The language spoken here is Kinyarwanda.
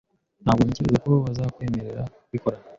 Ntabwo ntekereza ko bazakwemerera kubikora .